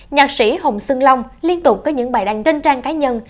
nhạc sĩ hồng sương long liên tục có những bài đăng trên trang cá nhân